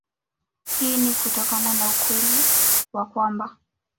Hii ni kutokana na ukweli wa kwamba